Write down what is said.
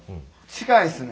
近いですね。